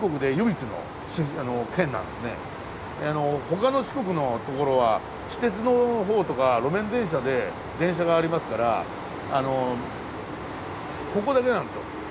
他の四国の所は私鉄のほうとか路面電車で電車がありますからここだけなんですよ